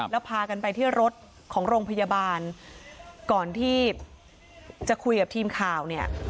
แล้วพากันไปที่รถของโรงพยาบาลก่อนที่จะคุยกับทีมข่าวเนี่ย